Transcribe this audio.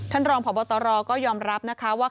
ท่านรองผ่อบัตรรอก็ยอมรับนะคะว่า